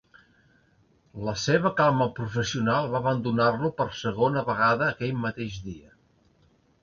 La seva calma professional va abandonar-lo per segona vegada aquell mateix dia.